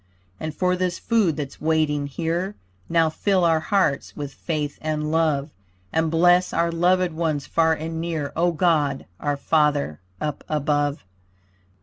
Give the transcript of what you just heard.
And for this food that's waiting here, Now fill our hearts with faith and love; And bless our loved ones far and near, O God, our Father up above.